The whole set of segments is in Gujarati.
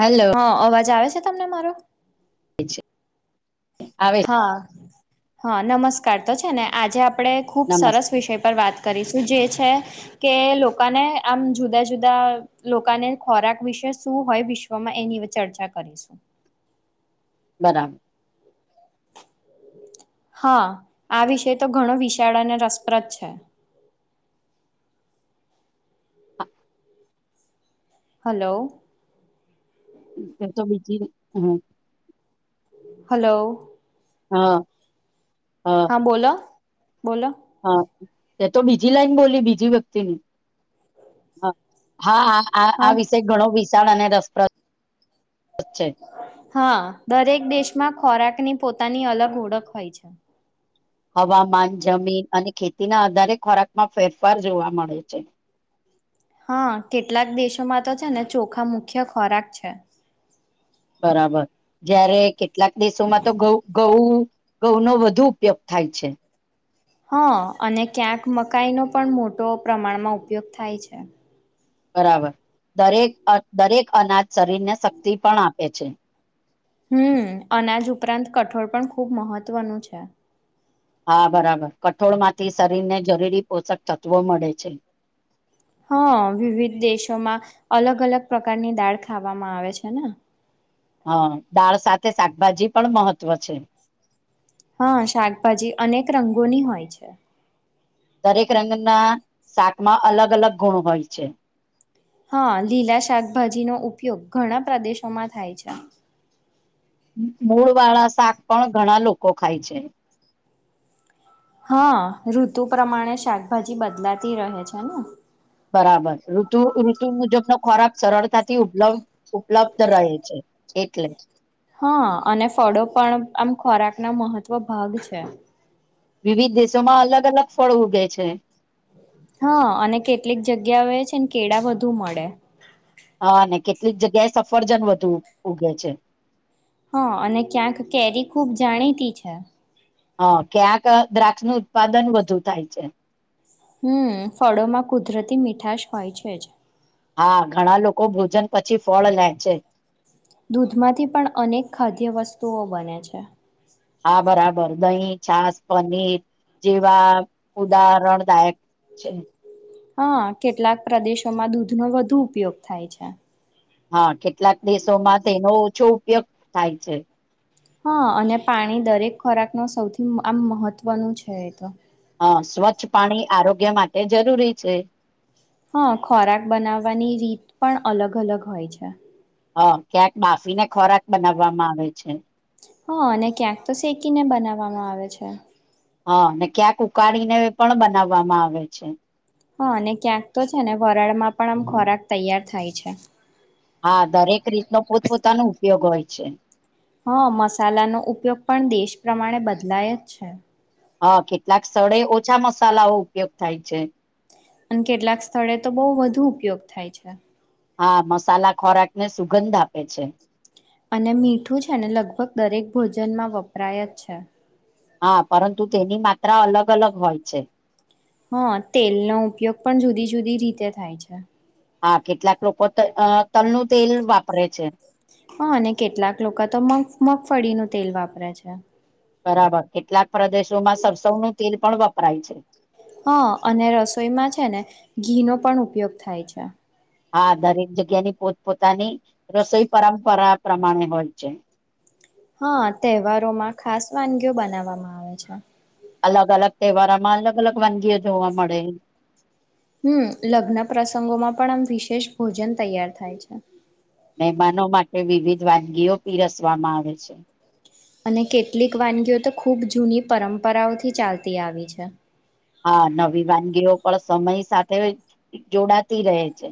હેલો હા અવાજ આવે છે તમને મારો છે આવે છે. હા હા નમસ્કાર તો છે ને આજે આપણે ખૂબ સરસ નમસ્તે વિષય પર વાત કરીશું જે છે કે લોકાને આમ જુદા જુદા લોકાને ખોરાક વિશે શું હોય વિશ્વમાં એની ચર્ચા કરીશું બરાબર હા આ વિષય તો ઘણો વિશાળ અને રસપ્રદ છે હ હલો એ તો બીજી હા હલો હા હા બોલો બોલો હા એ તો બીજી લાઈન બોલી બીજી વ્યક્તિની હા આ વિષ ઘણો વિશાળ અને રસપ્રદ છે હા દરેક દેશમાં ખોરાકની પોતાની અલગ ઓળખ હોય છે હવામાન જમીન અને ખેતીના આધારે ખોરાકમાં ફેરફાર જોવા મળે છે [inaudible] હા કેટલાક દેશોમાં તો છે ને ચોખા મુખ્ય ખોરાક છે બરાબર જયારે કેટલાક દેશોમાં તોઉ ગઉ ઘઉનોો વધુ ઉપયોગ થાય છે હા અને ક્યાંક મકાઈનો પણ મોટો પ્રમાણમાં ઉપયોગ થાય છે બરાબર દરેક દરેક અનાજ શરીરને શક્તિ પણ આપે છે હમ અનાજ ઉપરાંત કઠોળ પણ ખુબ મહત્વનું છે હા બરાબર કઠોળમાંથી શરીરને જરૂરી પોષક તત્વો મળે છે હા વિવિધ દેશોમાં અલગ અલગ પ્રકારની દાળ ખાવામાં આવે છે ને હા દાળ સાથે શાકભાજી પણ મહત્ત્વ છે હા શાકભાજી અનેક રંગોની હોય છે દરેક રંગના શાકમાં અલગ અલગ ગુણ હોય છે હા લીલા શાકભાજીનો ઉપયોગ ઘણા પ્રદેશોમાં થાય છે મૂળ વાળા શાક પણ ઘણા લોકો ખાય છે હા ઋતુ પ્રમાણે શાકભાજી બદલાતી રહે છે ને બરાબર ઋતુ ઋતુ મુજબનો ખોરાક સરળતાથી ઉપલબ્ ઉપલબ્ધ રહે છે એટલે હા અને ફળો પણ આમ ખોરાકનો મહત્વ ભાગ છે વિવિધ દેશોમાં અલગ અલગ ફળ ઉગે છે હા અને કેટલીક જગ્યા આવે છે ને કેળ બધુ મળે હા અનેને કેટલીક જગ્યાએ સફરજન વધુ ઉગે છે હા અને ક્યાંક કેરી ખૂબ જાણીતી છે હ ક્યાંક દ્રાક્ષ નું ઉત્પાદન વધુ થાય છે હમ ફળોમાં કુદરતી મીઠાશ હોય છે જ હા ઘણા લોકો ભોજન પછી ફળ લે છે દૂધમાંથી પણ અનેક ખાદ્ય વસ્તુઓ બને છે હા બરાબર દહીં છાસ પનીર જેવા ઉદાહરણદાયક છે હા કેટલાક પ્રદેશોમાં દૂધ નો વધુ ઉપયોગ થાય છે હા કેટલાક દેશોમાં તેનો ઓછો ઉપયોગ થાય છે હા અને પાણી દરેક ખોરાક ન સૌથી આમ મહત્વનું છે એ તો સ્વચ્છ પાણી આરોગ્ય માટે જરૂરી છે હા ખોરાક બનાવવાની રીત પણ અલગ અલગ હોય છે હ ક્યાંક માફીને ખોરાક બનાવવામાં આવે છે હા અને ક્યાંક તો શેકીને બનાવવામાં આવે છે હા ને ક્યાંક ઉકાળીને પણ બનાવવામાં આવે છે હા અને ક્યાંક તો છે ને વરાળમાં પણ આમ ખોરાક તૈયાર થાય છે હા દરેક રીતનો પોતપોતાનો ઉપયોગ હોય છે હા મસાલાનો ઉપયોગ પણ દેશ પ્રમાણે બદલાય જ છે હા કેટલાક સ્થળે ઓછા મસાલાઓ ઉપયોગ થાય છે અને કેટલાક સ્થળે તો બહુ વધુ ઉપયોગ થાય છે હા મસાલા ખોરાક ને સુગંધ આપે છે અને મીઠું છે ને લગભગ દરેક ભોજનમાં વપરાય જ છે હા પરંતુ તેની માત્રા અલગ અલગ હોય છે હા તેલનો ઉપયોગ પણ જુદી જુદી રીતે થાય છે હા કેટલાક લોકો ત તલનું તેલ વાપરે છે હા અને કેટલાક લોકો તો મગફળીનું તેલ વાપરે છે બરાબર કેટલાક પ્રદેશોમાં સરસવનું તેલ પણ વપરાય છે હા અને રસોઈમાં છે ને ઘીનો પણ ઉપયોગ થાય છે હા દરેક જગ્યાની પોત પોતાની રસોઈ પરંપરા પ્રમાણે હોય છે હા તહેવારોમાં ખાસ વાનગીઓ બનાવવામાં આવે છે. અલગ અલગ તહેવારોમાં અલગ અલગ વાનગીઓ જોવા મળે હમ લગ્ન પ્રસંગોમાં પણ આમ વિશેષ ભોજન તૈયાર થાય છે મહેમાનો માટે વિવિધ વાનગીઓ પીરસવામાં આવે છે અને કેટલીક વાનગીઓ તો ખૂબ જૂની પરંપરાઓથી ચાલતી આવી છે હા નવી વાનગીઓ પણ સમય સાથે જોડાતી રહે છે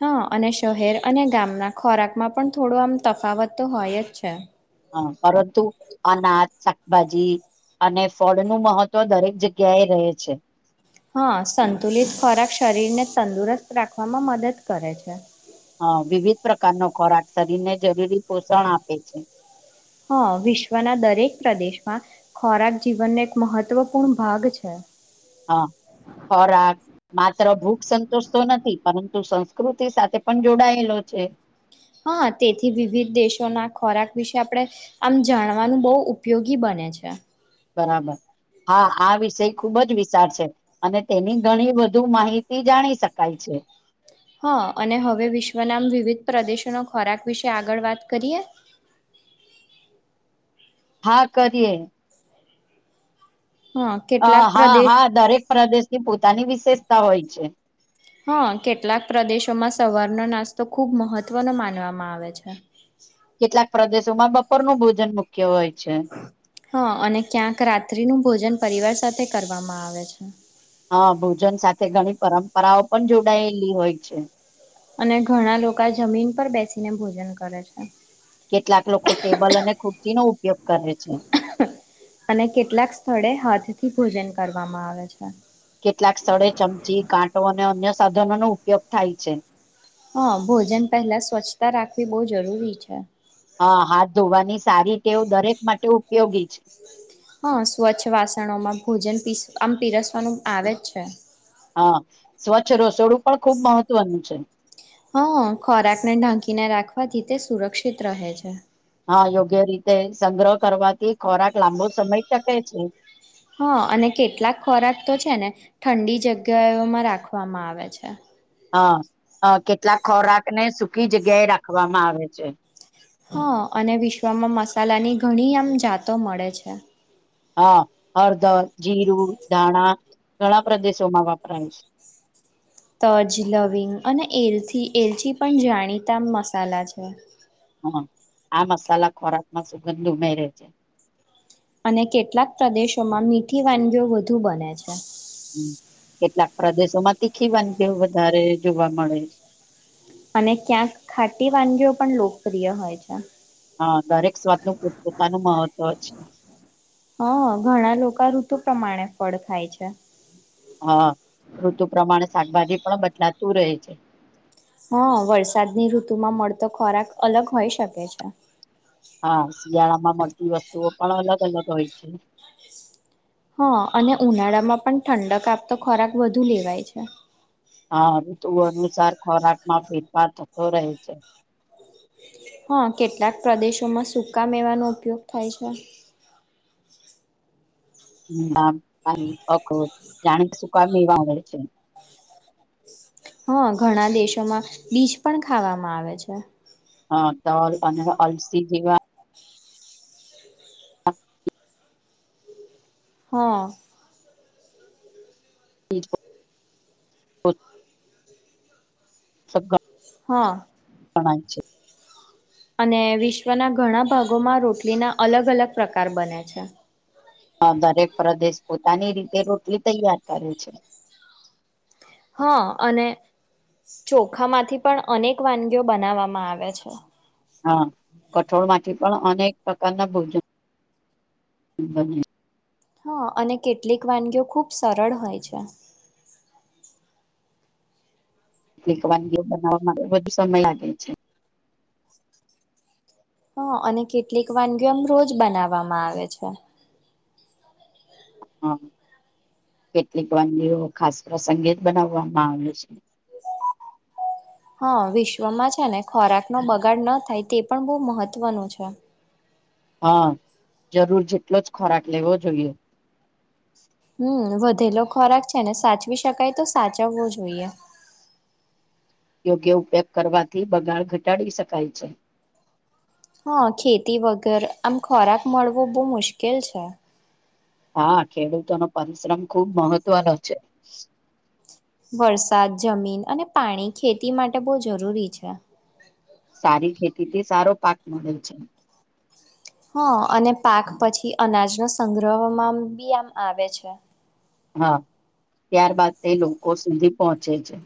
હા અને શહેર અને ગામના ખોરાકમાં પણ થોડું આમ તફાવત તો હોય જ છે હા પરંતુ અનાજ શાકભાજી અને ફળ નું મહત્વ દરેક જગ્યા એ રહે છે હા સંતુલિત ખોરાક શરીરને તંદુરસ્ત રાખવામાં મદદ કરે છે હ વિવિધ પ્રકારનો ખોરાક શરીરને જરૂરી પોષણ આપે છે હા વિશ્વના દરેક પ્રદેશમાં ખોરાક જીવનનો એક મહત્વપૂર્ણ ભાગ છે હા ખોરાક માત્ર ભૂખ સંતોષ તો નથી પરંતુ સંસ્કૃતિ સાથે પણ જોડાયેલો છે હા તેથી વિવિધ દેશોના ખોરાક વિશે આપણે આમ જાણવાનું બહુ ઉપયોગી બને ને છે બરાબર. હા આ વિષય ખુબ જ વિશાળ છે અને તેની ઘણી બધુ માહિતી જાણી શકાય છે [unintelligible] હા અને હવે વિશ્વના વિવિધ પ્રદેશોનો ખોરાક વિશે આગળ વાત કરીએ [unintelligible] હા કરીએ. હા અ કેટલાક હા પ્રદેશ હા દરેક પ્રદેશની પોતાની વિશેષતા હોય છે. હા કેટલાક પ્રદેશોમાં સવારનો નાસ્તો ખુબ મહત્વનો માનવામાં આવે છે કેટલાક પ્રદેશોમાં બપોરનુંું ભોજન મુખ્ય હોય છે હા અને ક્યાંક રાત્રિ નું ભોજન પરિવાર સાથે કરવામાં આવે છે હા ભોજન સાથે ઘણી પરંપરાઓ પણ જોડાયેલી હોય છે અને ઘણા લોકો આ જમીન પર બેસીને ભોજન કરે છે કેટલાક લોકો ટેબલ અને કુર્તી નો ઉપયોગ કરે છે અને કેટલાક સ્થળે હાથ થી ભોજન કરવામાં આવે છે કેટલાક સ્થળે ચમચી ગાંટો અને અન્ય સાધનો નો ઉપયોગ થાય છે હા ભોજન પહેલા સ્વચ્છતા રાખવી બહુ જરૂરી છે હા હાથ ધોવાની સારી તેવ દરેક માટે ઉપયોગી છે હા સ્વચ્છ વાસણોમાં ભોજન પસ આમ પીરસવાનું આવે જ છે હા સ્વચ્છ રસોડું પણ ખુબ મહત્વનું છે હા ખોરાકને ઢાંકીને રાખવાથી તે સુરક્ષિત રહે છે હા યોગ્ય રીતે સંગ્રહ કરવાથી ખોરાક લાંબો સમય ટકે છે હા અને કેટલાક ખોરાક તો છે ને ઠંડી જગ્યાઓમાં રાખવામાં આવે છે હ કેટલાક ખોરાક ને સુૂકી જગ્યાએ રાખવામાં આવે છે હા અને વિશ્વમાં મસાલાની ઘણી આમ જાતો મળે છે હા હળદર જીરું ધાણા ઘણા પ્રદેશોમાં વાપરાય છે [unintelligible] તજ લવિંગ અને એલથી એલચ પણ જાણીતા મસાલા છે હા આ મસાલા ખોરાકમાં સુગંધ ઉમે રહે છે અને કેટલાક પ્રદેશોમાં મીઠી વાનગીઓ વધુ બને છે કેટલાક પ્રદેશો માં તીખીવાની કેવું વધારે જોવા મળે છે અને ક્યાંક ખાટી વાનગીઓ પણ લોકપ્રિય હોય છે હા દરેક સ્વાદ નુંતપોતાનું મહત્વ છે હા ઘણા લોકો ઋતુ પ્રમાણે ફળ ખાય છે હા ઋતુ પ્રમાણે શાકભાજી પણ બદલાતું રહે છે હા વરસાદની ઋતુમાં મળતો ખોરાક અલગ હોઈ શકે છે હા શિયાળા માં મળતી વસ્તુઓ પણ અલગ અલગ હોય છે હા અને ઉનાળામાં પણ ઠંડક આપતો ખોરાક વધુ લેવાય છે હા ઋતુ અનુસાર ખોરાક માં ફેરફાર થતો રહે છે હા કેટલાક પ્રદેશોમાં સકા મેવાનો ઉપયોગ થાય છે જાણી કે સુકાવ એવાગે છે હા ઘણા દેશોમાં બીજ પણ ખાવામાં આવે છે હ તો અને અલસી જેવા [unintelligible] હા [unintelligible] સબકા હા પણણ છે અને વિશ્વના ઘણા ભાગોમાં રોટલીના અલગ અલગ પ્રકાર બને છે હ દરેક પ્રદેશ પોતાની રીતે રોટલી તૈયાર કરે છે હા અને ચોખામાંથી પણ અનેક વાનગીઓ બનાવવામાં આવે છે હા કઠોળ માંથી પણ અક પ્રકારના ભોજન બ હા અને કેટલીક વાનગીઓ ખુબ સરળ હોય છે ક વાનગીઓ બનાવવા માટે વધુ સમય લાગે છે હા અને કેટલીક વાનગીઓ આમ રોજ બનાવામાં આવે છે હ કેટલીક વાગીઓ ખાસ પ્રસંગી જ બનાવવામાં આવે છે [unintelligible] હા વિશ્વમાં છે ને ખોરાક નો બગાડ ન થાય તે પણ બહુ મહત્વનું છે હા જરૂર જેટલો જ ખોરાક લેવો જોઈએ હમ વધેલો ખોરાક છે ને સાચવી શકાય તો સાચવવો જોઈએ [inaudible] યોગ્ય ઉપયોગ કરવાથી બગાડ ઘટાડી શકાય છે હા ખેતી વગર આમ ખોરાક મળવો બહુ મુશ્કેલ છે હા ખેડૂતોનોો પરિશ્રમ ખુબ મહત્વનો છે વરસાદ જમીન અને પાણી ખેતી માટે બહુ જરૂરી છે સારી ખેતીથી સારો પાક મળે છે હા અને પાક પછી અનાજનો સંગ્રહમાં બી આમ આવે છે હા ત્યાર બાાદ તે લોકો સુધી પહોંચે છે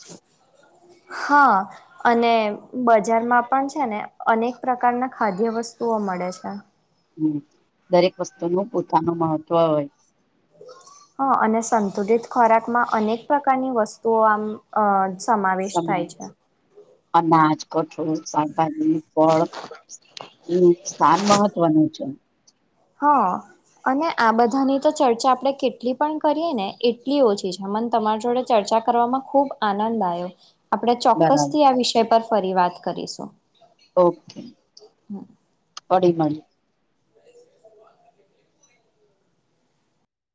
[unintelligible] હા અને બજારમાં પણ છે ને અનેક પ્રકારના ખાદ્ય વસ્તુ મળે છે હમ દરેક વસ્તુ નું પોતાનું મહત્વ હોય હા અને સંતુલિત ખોરાક માં અનેક પ્રકારની વસ્તુઓ આમ અ સમાવેશ સમય થાય છે અનાજ કઠોળ શાકભાજી ફળ એ સ્થાન મહત્વનું છે. હા. અને આ બધાની તો ચર્ચા આપડણે કેટલી પણ કરીયએ ને એટલી ઓછી છે મને તમારી જોડે ચર્ચા વામાં ખૂબ આનંદ આવ્યો, આપણે બરાબર ચોક્કસથી આ વિષય પર ફરી વાત કરીશું. ઓકે, હમ. ફરી મલીએ.